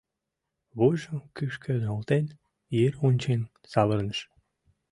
Вуйжым кӱшкӧ нӧлтен, йыр ончен савырныш.